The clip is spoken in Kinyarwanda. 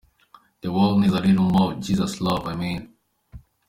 "The world needs a little more of Jesus Love"Amen.